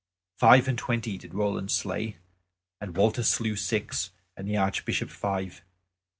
Five and twenty did Roland slay, and Walter slew six, and the Archbishop five.